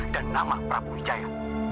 dan nama prabu hijaya